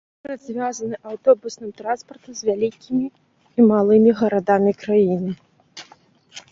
Горад звязаны аўтобусным транспартам з вялікімі і малымі гарадамі краіны.